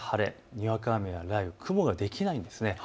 にわか雨や雷雨の雲ができないんです。